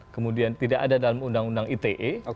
kemudian tidak ada dalam undang undang ite